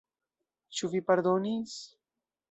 Ĉu vi pardonis?